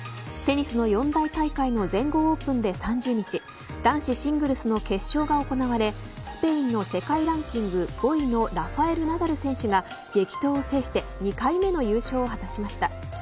テニスの四大大会の全豪オープンで３０日男子シングルスの決勝が行われスペインの世界ランキング５位のラファエル・ナダル選手が激闘を制して２回目の優勝を果たしました。